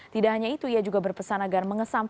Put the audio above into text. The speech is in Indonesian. tidak hanya itu ia juga berpesan agar mengesamping